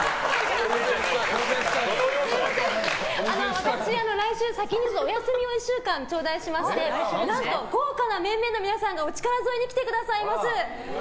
私、来週お休みを１週間ちょうだいしまして何と豪華な面々の皆さんがお力添えに来てくださいます。